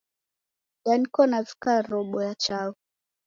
Da niko navika robo ya chaghu